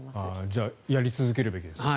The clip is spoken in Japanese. じゃあやり続けるべきですね。